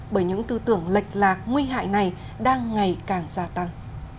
bởi những tư tưởng lệch lạc nguy hại này đang ngày càng gia tăng